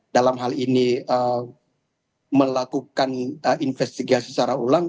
dalam hal ini melakukan investigasi secara ulang